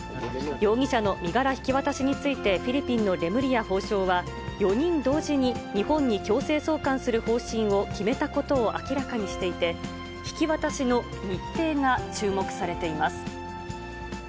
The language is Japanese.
容疑者の身柄引き渡しについて、フィリピンのレムリヤ法相は、４人同時に日本に強制送還する方針を決めたことを明らかにしていて、引き渡しの日程が注目されています。